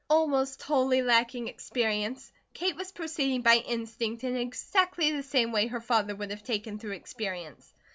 Almost wholly lacking experience, Kate was proceeding by instinct in exactly the same way her father would have taken through experience.